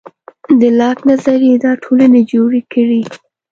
د لاک نظریې دا ټولنې جوړې کړې.